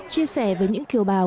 chia sẻ với những kiều bào